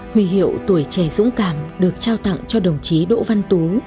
huy hiệu tuổi trẻ dũng cảm được trao tặng cho đồng chí đỗ văn tú